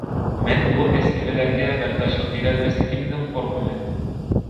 مەن بۇ ئەسلىمىلەرگە بەرداشلىق بېرەلمەسلىكىمدىن قورقىمەن.